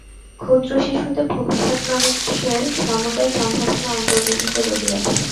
ক্ষুদ্র শিশুতে ভবিষ্যৎ মানুষের সমুদয় সম্ভাবনা অন্তর্নিহিত রহিয়াছে।